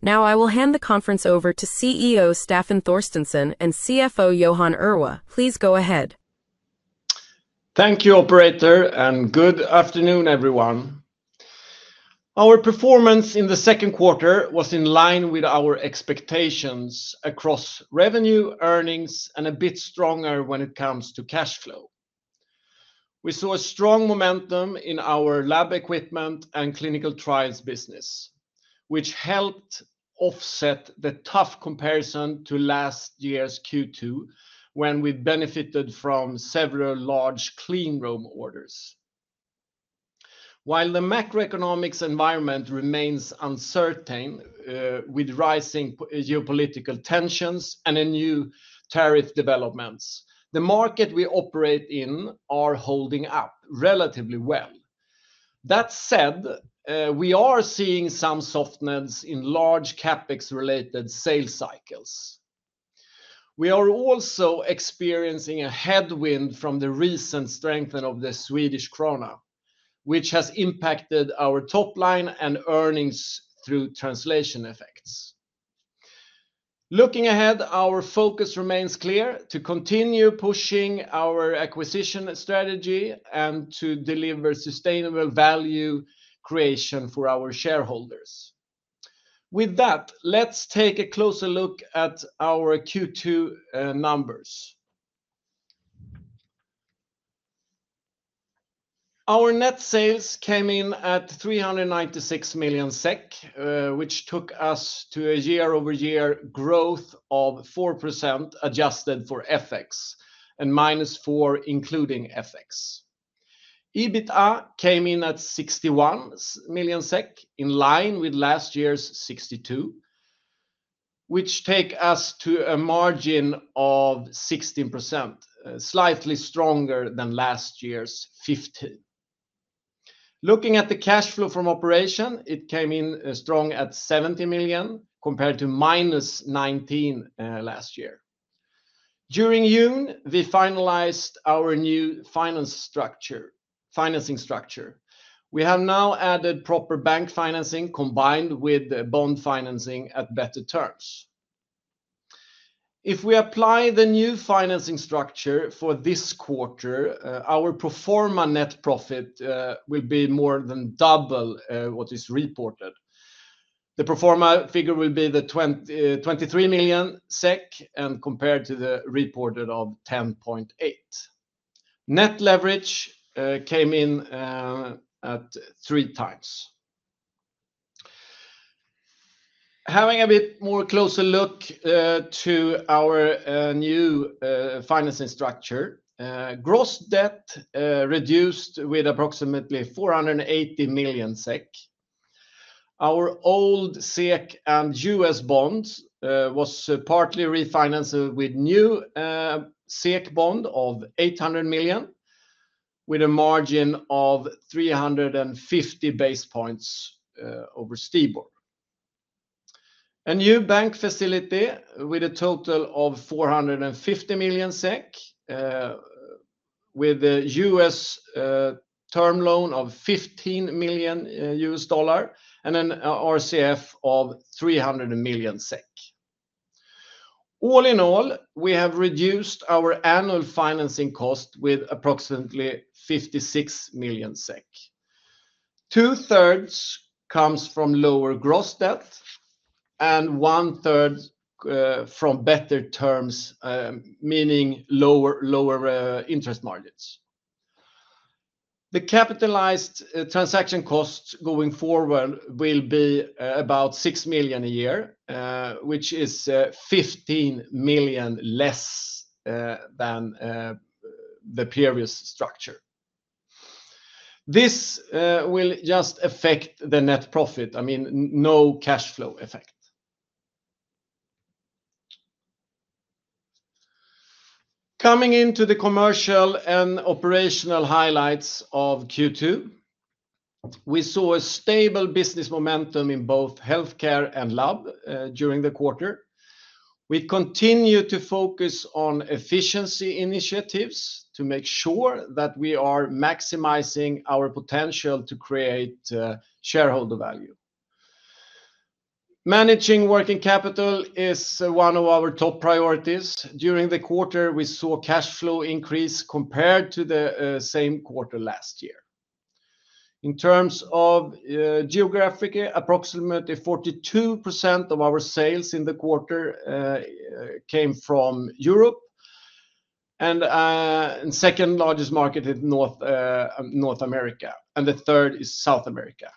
Now, I will hand the conference over to CEO Staffan Torstensson and CFO Johan Irwe. Please go ahead. Thank you, operator, and good afternoon, everyone. Our performance in the second quarter was in line with our expectations across revenue, earnings, and a bit stronger when it comes to cash flow. We saw a strong momentum in our laboratory equipment and clinical trials business, which helped offset the tough comparison to last year's Q2 when we benefited from several large clean room orders. While the macroeconomic environment remains uncertain, with rising geopolitical tensions and a new tariff development, the markets we operate in are holding up relatively well. That said, we are seeing some softness in large CapEx-related sales cycles. We are also experiencing a headwind from the recent strengthening of the Swedish krona, which has impacted our top line and earnings through translation effects. Looking ahead, our focus remains clear to continue pushing our acquisition strategy and to deliver sustainable value creation for our shareholders. With that, let's take a closer look at our Q2 numbers. Our net sales came in at 396 million SEK, which took us to a year-over-year growth of 4% adjusted for FX and -4% including FX. EBITDA came in at 61 million SEK, in line with last year's 62 million, which takes us to a margin of 16%, slightly stronger than last year's 15%. Looking at the cash flow from operations, it came in strong at 70 million compared to -19 million last year. During June, we finalized our new financing structure. We have now added proper bank financing combined with bond financing at better terms. If we apply the new financing structure for this quarter, our pro forma net profit will be more than double what is reported. The pro forma figure will be 23 million SEK and compared to the reported of 10.8 million. Net leverage came in at three times. Having a bit more closer look to our new financing structure, gross debt reduced with approximately 480 million SEK. Our old SEK and U.S. bonds were partly refinanced with new SEK bonds of 800 million with a margin of 350 basis points over Stibor. A new bank facility with a total of 450 million SEK, with a U.S. term loan of $15 million and an RCF of 300 million SEK. All in all, we have reduced our annual financing cost with approximately 56 million SEK. 2/3 comes from lower gross debt and 1/3 from better terms, meaning lower interest margins. The capitalized transaction costs going forward will be about 6 million a year, which is 15 million less than the previous structure. This will just affect the net profit, I mean, no cash flow effect. Coming into the commercial and operational highlights of Q2, we saw a stable business momentum in both healthcare and lab during the quarter. We continue to focus on efficiency initiatives to make sure that we are maximizing our potential to create shareholder value. Managing working capital is one of our top priorities. During the quarter, we saw cash flow increase compared to the same quarter last year. In terms of geography, approximately 42% of our sales in the quarter came from Europe, and the second largest market is North America, and the third is South America.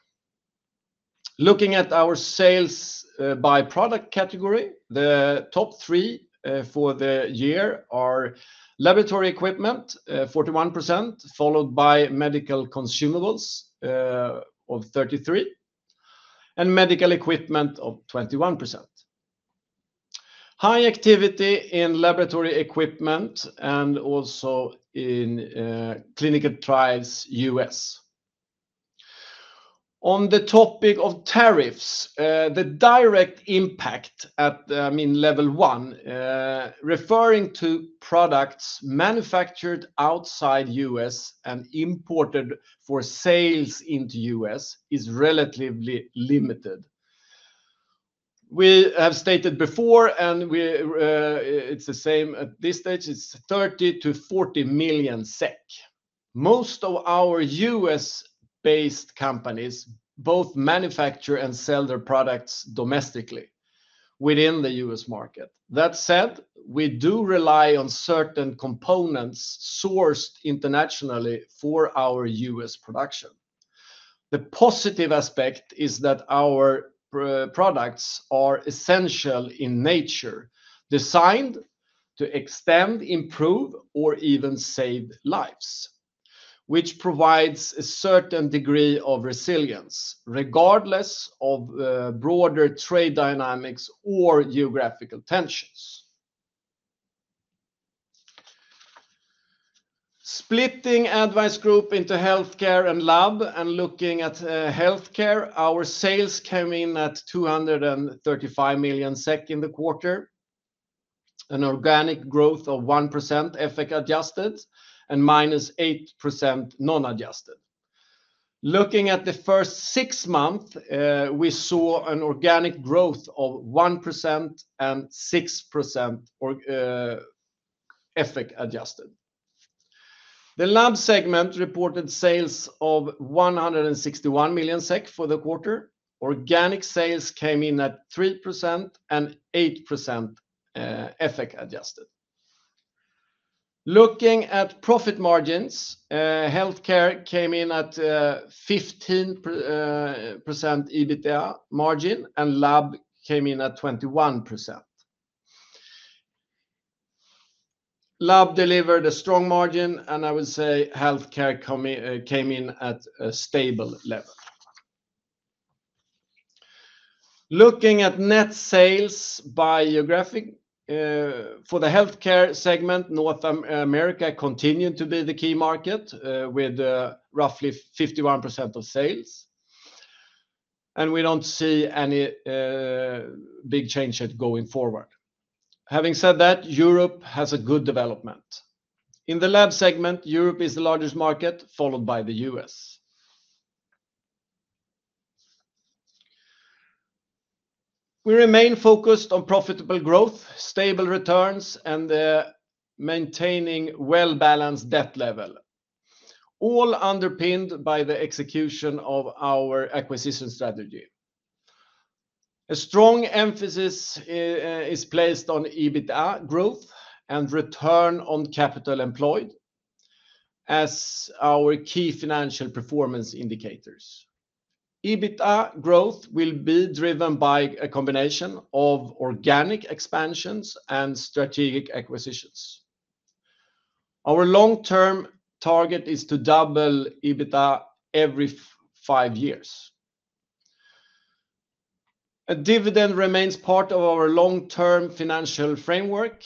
Looking at our sales by product category, the top three for the year are laboratory equipment, 41%, followed by medical consumables of 33%, and medical equipment of 21%. High activity in laboratory equipment and also in clinical trials U.S. On the topic of tariffs, the direct impact at, I mean, level one, referring to products manufactured outside the U.S. and imported for sales into the U.S. is relatively limited. We have stated before, and it's the same at this stage, it's 30 million-40 million SEK. Most of our U.S.-based companies both manufacture and sell their products domestically within the U.S. market. That said, we do rely on certain components sourced internationally for our U.S. production. The positive aspect is that our products are essential in nature, designed to extend, improve, or even save lives, which provides a certain degree of resilience regardless of broader trade dynamics or geographical tensions. Splitting ADDvise Group AB into healthcare and lab, and looking at healthcare, our sales came in at 235 million SEK in the quarter, an organic growth of 1% FX adjusted and -8% non-adjusted. Looking at the first six months, we saw an organic growth of 1% and 6% FX adjusted. The lab segment reported sales of 161 million SEK for the quarter. Organic sales came in at 3% and 8% FX adjusted. Looking at profit margins, healthcare came in at 15% EBITDA margin, and lab came in at 21%. Lab delivered a strong margin, and I would say healthcare came in at a stable level. Looking at net sales by geography, for the healthcare segment, North America continued to be the key market with roughly 51% of sales, and we don't see any big change going forward. Having said that, Europe has a good development. In the lab segment, Europe is the largest market, followed by the U.S. We remain focused on profitable growth, stable returns, and maintaining a well-balanced debt level, all underpinned by the execution of our acquisition strategy. A strong emphasis is placed on EBITDA growth and return on capital employed as our key financial performance indicators. EBITDA growth will be driven by a combination of organic expansions and strategic acquisitions. Our long-term target is to double EBITDA every five years. A dividend remains part of our long-term financial framework,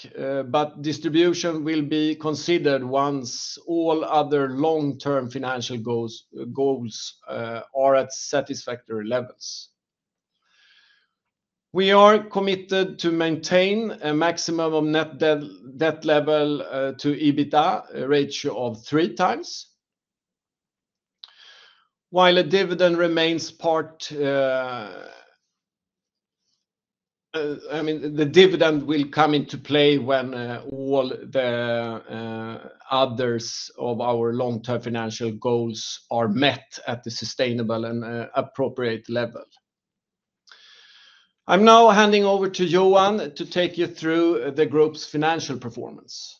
but distribution will be considered once all other long-term financial goals are at satisfactory levels. We are committed to maintain a maximum net debt/EBITDA ratio of three times, while the dividend remains part. The dividend will come into play when all the others of our long-term financial goals are met at the sustainable and appropriate level. I'm now handing over to Johan Irwe to take you through the group's financial performance.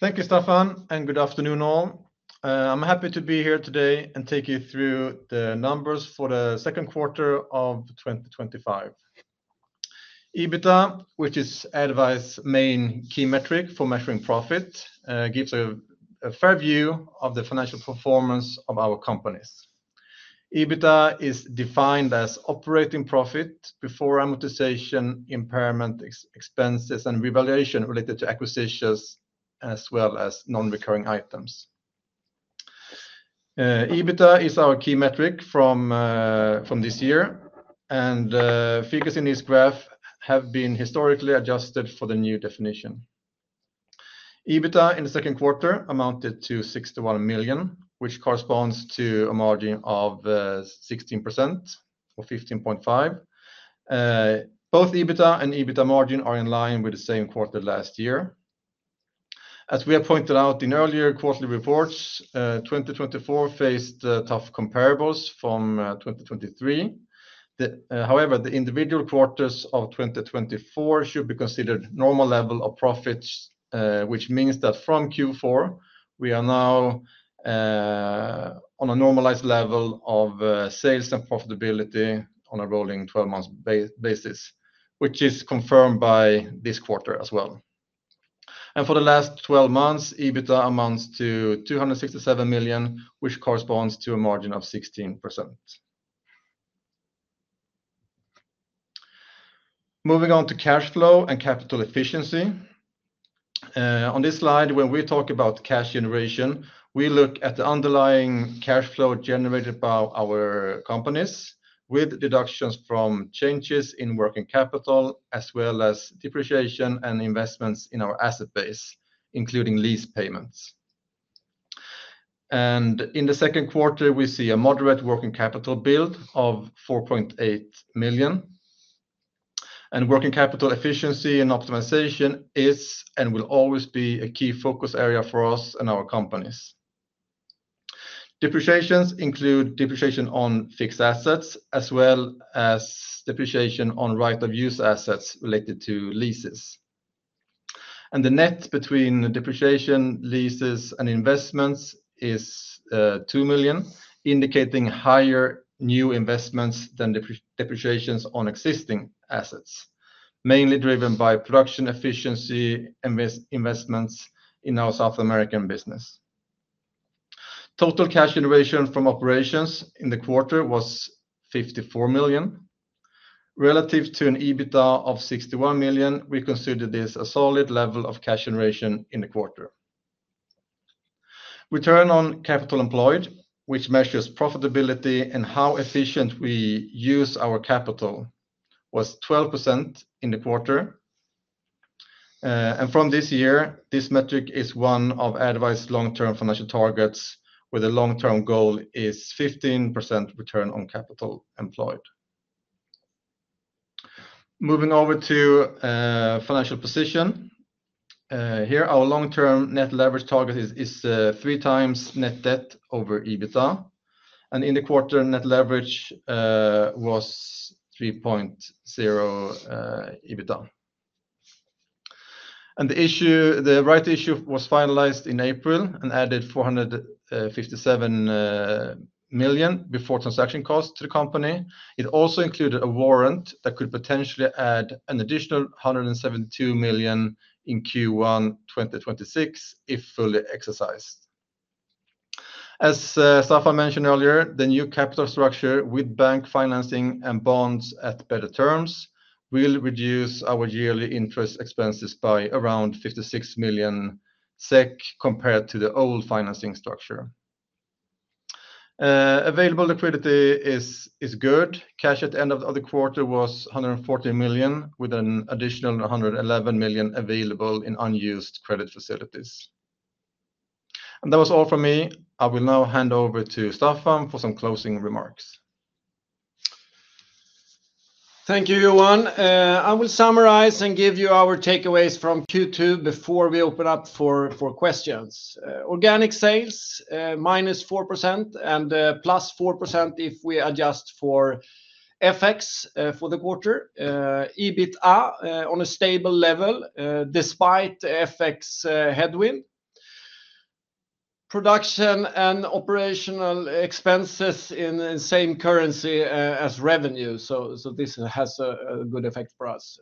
Thank you, Staffan, and good afternoon all. I'm happy to be here today and take you through the numbers for the second quarter of 2025. EBITDA, which is ADDvise's main key metric for measuring profit, gives a fair view of the financial performance of our companies. EBITDA is defined as operating profit before amortization, impairment, expenses, and revaluation related to acquisitions, as well as non-recurring items. EBITDA is our key metric from this year, and figures in this graph have been historically adjusted for the new definition. EBITDA in the second quarter amounted to 61 million, which corresponds to a margin of 16% or 15.5%. Both EBITDA and EBITDA margin are in line with the same quarter last year. As we have pointed out in earlier quarterly reports, 2024 faced tough comparables from 2023. However, the individual quarters of 2024 should be considered normal levels of profits, which means that from Q4, we are now on a normalized level of sales and profitability on a rolling 12-month basis, which is confirmed by this quarter as well. For the last 12 months, EBITDA amounts to 267 million, which corresponds to a margin of 16%. Moving on to cash flow and capital efficiency. On this slide, when we talk about cash generation, we look at the underlying cash flow generated by our companies with deductions from changes in working capital, as well as depreciation and investments in our asset base, including lease payments. In the second quarter, we see a moderate working capital build of 4.8 million. Working capital efficiency and optimization is and will always be a key focus area for us and our companies. Depreciations include depreciation on fixed assets, as well as depreciation on right-of-use assets related to leases. The net between depreciation, leases, and investments is 2 million, indicating higher new investments than depreciations on existing assets, mainly driven by production efficiency and investments in our South American business. Total cash generation from operations in the quarter was 54 million. Relative to an EBITDA of 61 million, we consider this a solid level of cash generation in the quarter. Return on capital employed, which measures profitability and how efficient we use our capital, was 12% in the quarter. From this year, this metric is one of ADDvise's long-term financial targets, where the long-term goal is 15% return on capital employed. Moving over to a financial position. Here, our long-term net leverage target is 3 times net debt over EBITDA. In the quarter, net leverage was 3.0 EBITDA. The rights issue was finalized in April and added 457 million before transaction costs to the company. It also included a warrant that could potentially add an additional 172 million in Q1 2026 if fully exercised. As Staffan mentioned earlier, the new capital structure with bank financing and bonds at better terms will reduce our yearly interest expenses by around 56 million SEK compared to the old financing structure. Available liquidity is good. Cash at the end of the quarter was 140 million, with an additional 111 million available in unused credit facilities. That was all from me. I will now hand over to Staffan for some closing remarks. Thank you, Johan. I will summarize and give you our takeaways from Q2 before we open up for questions. Organic sales -4% and +4% if we adjust for FX for the quarter. EBITDA on a stable level despite FX headwind. Production and operational expenses in the same currency as revenue, so this has a good effect for us.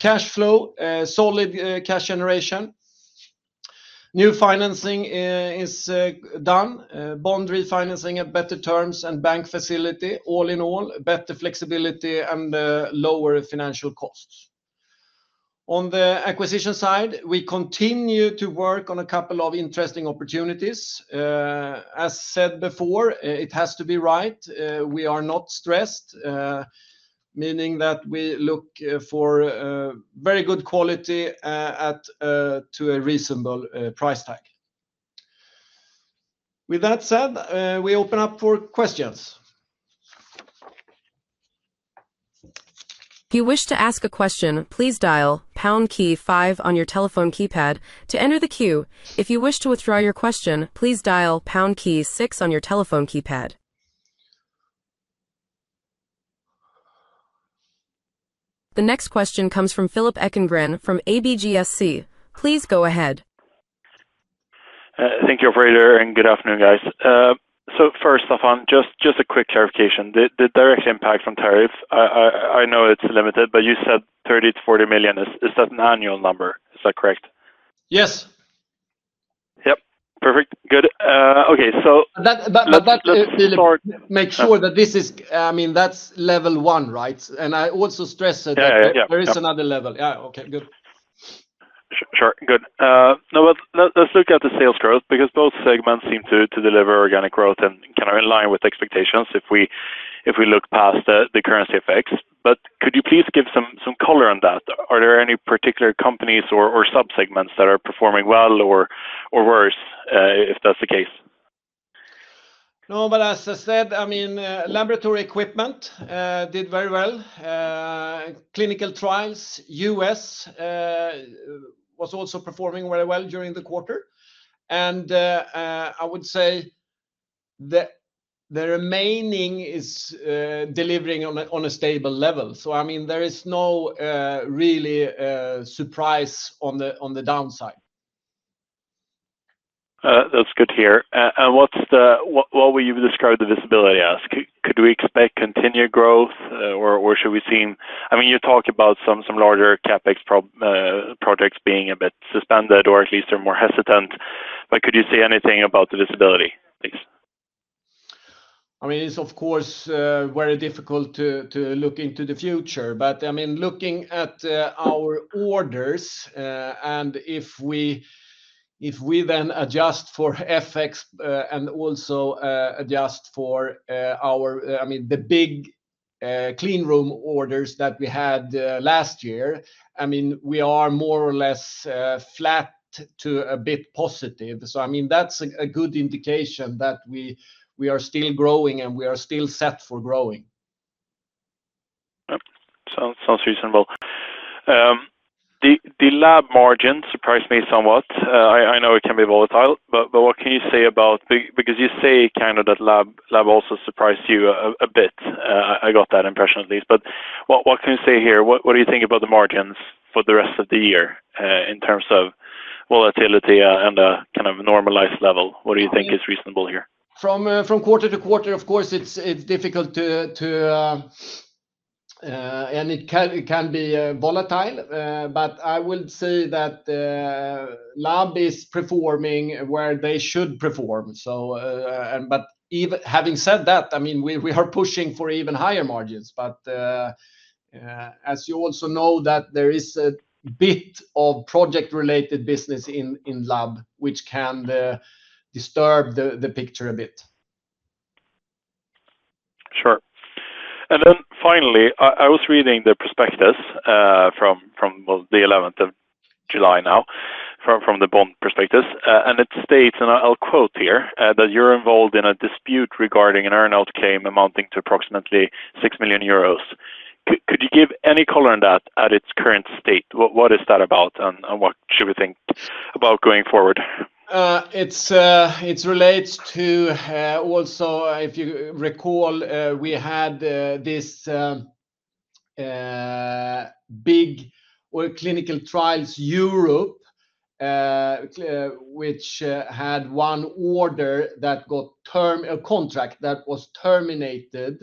Cash flow, solid cash generation. New financing is done. Bond refinancing at better terms and bank facility. All in all, better flexibility and lower financial costs. On the acquisition side, we continue to work on a couple of interesting opportunities. As said before, it has to be right. We are not stressed, meaning that we look for very good quality at a reasonable price tag. With that said, we open up for questions. If you wish to ask a question, please dial pound key five on your telephone keypad to enter the queue. If you wish to withdraw your question, please dial pound key six on your telephone keypad. The next question comes from Philip Eckengren from ABGSC. Please go ahead. Thank you, operator, and good afternoon, guys. First, Staffan, just a quick clarification. The direct impact from tariffs, I know it's limited, but you said 30 million-40 million. Is that an annual number? Is that correct? Yes. Yep, perfect. Good, okay. Let me make sure that this is, I mean, that's level one, right? I also stressed that there is another level. Yeah. Okay. Good. Sure. Good. Now, let's look at the sales growth because both segments seem to deliver organic growth and kind of in line with expectations if we look past the currency effects. Could you please give some color on that? Are there any particular companies or subsegments that are performing well or worse, if that's the case? As I said, laboratory equipment did very well. Clinical trials U.S. was also performing very well during the quarter. I would say the remaining is delivering on a stable level. There is no really surprise on the downside. That's good to hear. What will you describe the visibility as? Could we expect continued growth or should we see, I mean, you talked about some larger CapEx projects being a bit suspended or at least they're more hesitant. Could you say anything about the visibility, please? It's, of course, very difficult to look into the future. Looking at our orders, and if we then adjust for FX and also adjust for our big clean room orders that we had last year, we are more or less flat to a bit positive. That's a good indication that we are still growing and we are still set for growing. Yep. Sounds reasonable. The lab margin surprised me somewhat. I know it can be volatile, but what can you say about, because you say kind of that lab also surprised you a bit. I got that impression, at least. What can you say here? What do you think about the margins for the rest of the year in terms of volatility and a kind of normalized level? What do you think is reasonable here? From quarter-to-quarter, of course, it's difficult to, and it can be volatile. I would say that lab is performing where they should perform. Having said that, I mean, we are pushing for even higher margins. As you also know, there is a bit of project-related business in lab, which can disturb the picture a bit. Sure. Finally, I was reading the prospectus from July 11th, from the bond prospectus. It states, and I'll quote here, that you're involved in a dispute regarding an earnout claim amounting to approximately 6 million euros. Could you give any color on that at its current state? What is that about and what should we think about going forward? It relates to also, if you recall, we had this big clinical trials Europe, which had one order that got a contract that was terminated.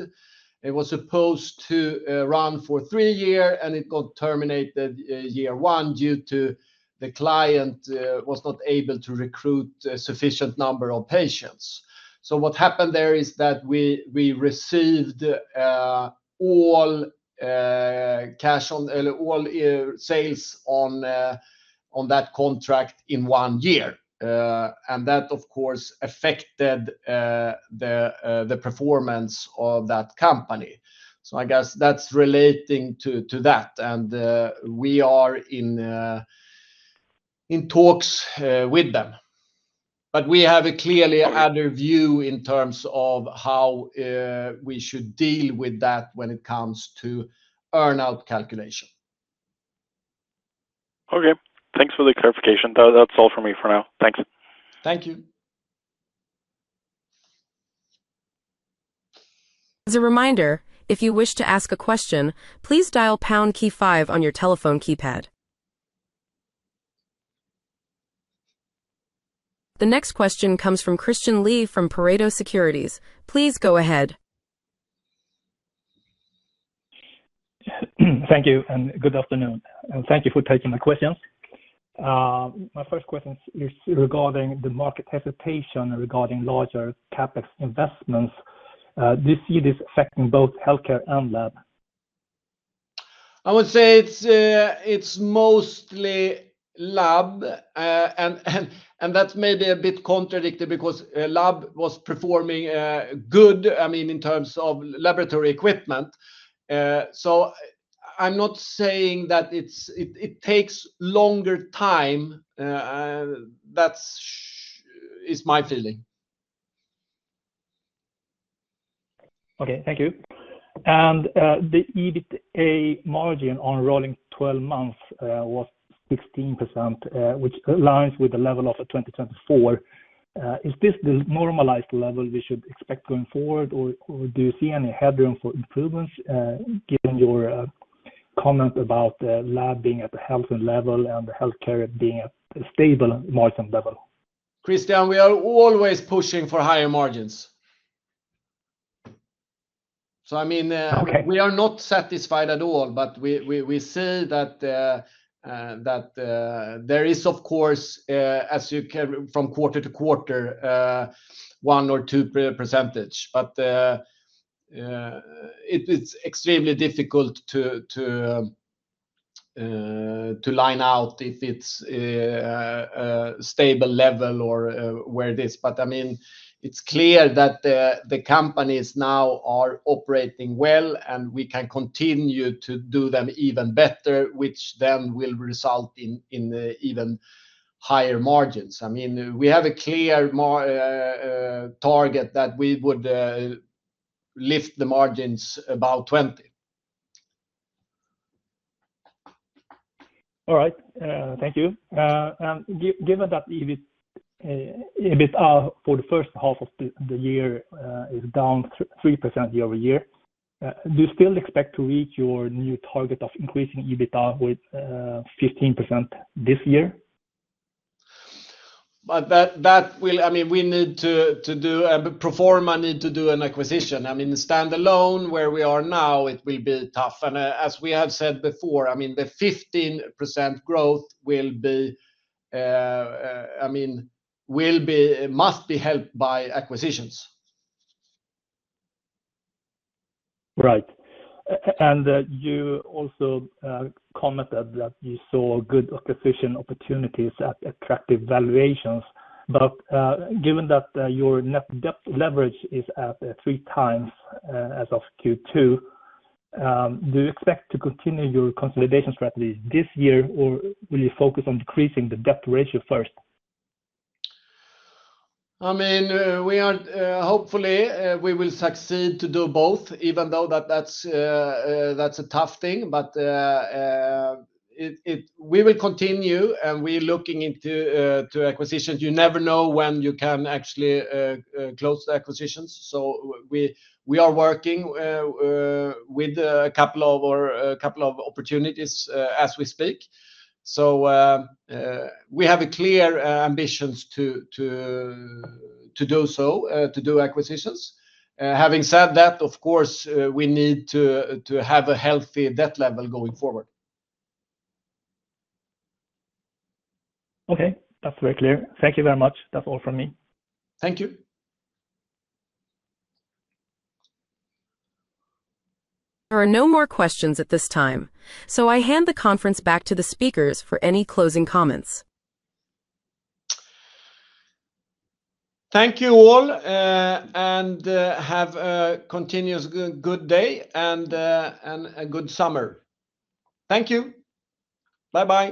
It was supposed to run for three years, and it got terminated year one due to the client was not able to recruit a sufficient number of patients. What happened there is that we received all cash on all sales on that contract in one year. That, of course, affected the performance of that company. I guess that's relating to that. We are in talks with them. We have a clearly other view in terms of how we should deal with that when it comes to earnout calculation. Okay. Thanks for the clarification. That's all for me for now. Thanks. Thank you. As a reminder, if you wish to ask a question, please dial the pound key five on your telephone keypad. The next question comes from Christian Lee from Pareto Securities. Please go ahead. Thank you, and good afternoon. Thank you for taking my questions. My first question is regarding the market hesitation regarding larger CapEx investments. Do you see this affecting both healthcare and lab? I would say it's mostly lab, and that's maybe a bit contradictory because lab was performing good, I mean, in terms of laboratory equipment. I'm not saying that it takes longer time. That is my feeling. Thank you. The EBITDA margin on rolling 12 months was 16%, which aligns with the level of 2024. Is this the normalized level we should expect going forward, or do you see any headroom for improvements given your comment about lab being at a healthy level and healthcare being at a stable margin level? Christian, we are always pushing for higher margins. I mean, we are not satisfied at all, but we say that there is, of course, as you can from quarter-to-quarter, 1%-2%. It's extremely difficult to line out if it's a stable level or where it is. I mean, it's clear that the companies now are operating well, and we can continue to do them even better, which then will result in even higher margins. I mean, we have a clear target that we would lift the margins about 20%. All right. Thank you. Given that EBITDA for the first half of the year is down 3% year-over-year, do you still expect to reach your new target of increasing EBITDA with 15% this year? We need to do, and pro forma need to do an acquisition. Standalone where we are now, it will be tough. As we have said before, the 15% growth will be, must be helped by acquisitions. Right. You also commented that you saw good acquisition opportunities at attractive valuations. Given that your net debt leverage is at three times as of Q2, do you expect to continue your consolidation strategy this year, or will you focus on decreasing the debt ratio first? Hopefully, we will succeed to do both, even though that's a tough thing. We will continue, and we're looking into acquisitions. You never know when you can actually close the acquisitions. We are working with a couple of opportunities as we speak. We have clear ambitions to do so, to do acquisitions. Having said that, of course, we need to have a healthy debt level going forward. Okay. That's very clear. Thank you very much. That's all from me. Thank you. There are no more questions at this time. I hand the conference back to the speakers for any closing comments. Thank you all, and have a continuous good day and a good summer. Thank you. Bye-bye.